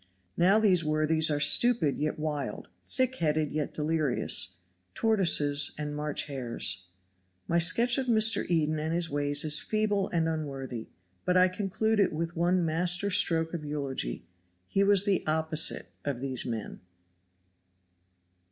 Now these worthies are stupid yet wild, thick headed yet delirious tortoises and March hares. My sketch of Mr. Eden and his ways is feeble and unworthy. But I conclude it with one master stroke of eulogy He was the opposite of these men.